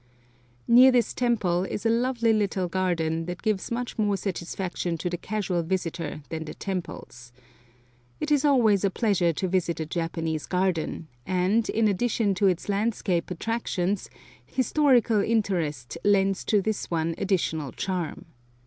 Near this temple is a lovely little garden that gives much more satisfaction to the casual visitor than the temples. It is always a pleasure to visit a Japanese garden, and, in addition to its landscape attractions, historical interest lends to this one additional charm.